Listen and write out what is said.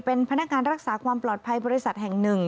เป็นพนักงานรักษาความปลอดภัยบริษัทแห่งหนึ่ง